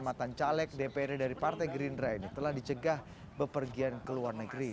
matan caleg dprd dari partai gerindra ini telah dicegah bepergian ke luar negeri